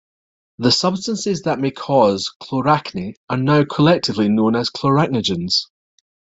The substances that may cause chloracne are now collectively known as chloracnegens.